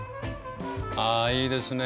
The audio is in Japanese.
あいいですね。